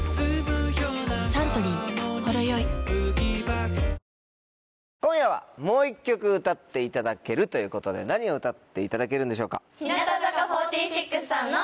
サントリー「ほろよい」今夜はもう１曲歌っていただけるということで何を歌っていただけるんでしょうか？